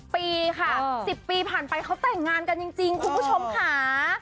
ปีค่ะ๑๐ปีผ่านไปเขาแต่งงานกันจริงคุณผู้ชมค่ะ